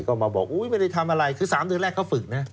ก็มาบอกอุ๊ยไม่ได้ทำอะไรคือ๓เดือนแรกเขาฝึกนะ